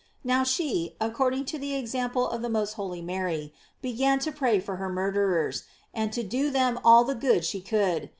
Now she, according to the example of the most holy Mary, began to pray for her mur derers, and to do them all the good she could.